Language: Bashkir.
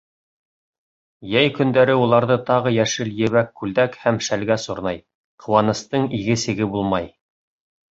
Йәй көндәре уларҙы тағы йәшел ебәк күлдәк һәм шәлгә сорнай, ҡыуаныстың иге-сиге булмай.